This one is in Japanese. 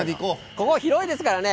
ここ広いですからね。